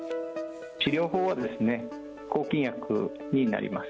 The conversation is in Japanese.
治療法はですね、抗菌薬になります。